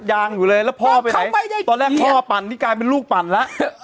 ยางอยู่เลยแล้วพ่อไปไหนวันแรกพ่อปั่นเป็นลูกปั่นละ